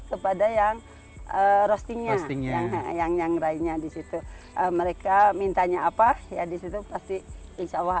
kepada yang roasting yang yang yang lainnya di situ mereka mintanya apa ya di situ pasti insyaallah